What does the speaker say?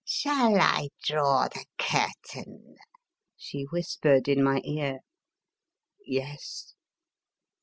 " Shall I draw the curtain?" she whispered in my ear. "Yes."